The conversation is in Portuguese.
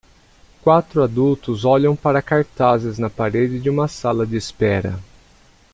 Quatro adultos olham para cartazes na parede de uma sala de espera.